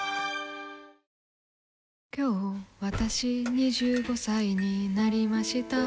今日わたし、２５歳になりました。